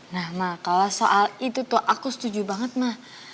nah kalau soal itu tuh aku setuju banget mah